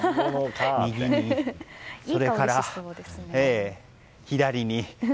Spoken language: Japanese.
右に、それから左に。